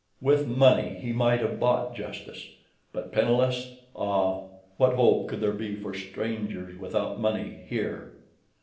With money he might have bought justice; but penniless!—ah, what hope could there be for strangers without money here?